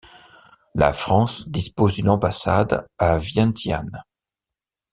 La France dispose d'une ambassade à Vientiane.